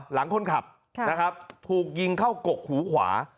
หลังคนขับนะครับถูกยิงเข้ากกหูขวา